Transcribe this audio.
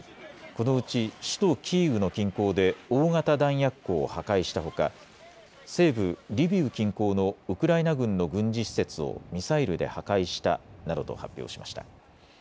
このうち首都キーウの近郊で大型弾薬庫を破壊したほか西部リビウ近郊のウクライナ軍の軍事施設をミサイルで破壊したなどと発表しました。